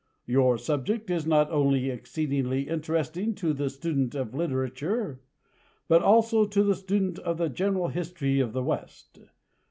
Your subject is not only exceedingly interesting to the student of literature, but also to the student of the general history of the west.